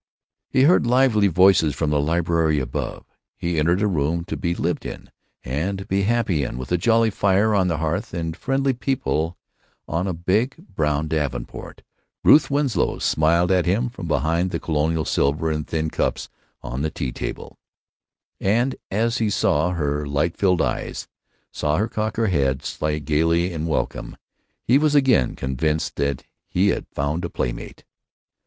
He heard lively voices from the library above. He entered a room to be lived in and be happy in, with a jolly fire on the hearth and friendly people on a big, brown davenport. Ruth Winslow smiled at him from behind the Colonial silver and thin cups on the tea table, and as he saw her light filled eyes, saw her cock her head gaily in welcome, he was again convinced that he had found a playmate.